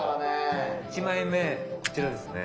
１枚目こちらですね。